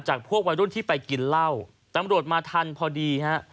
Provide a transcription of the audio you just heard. พวกวัยรุ่นที่ไปกินเหล้าตำรวจมาทันพอดีฮะ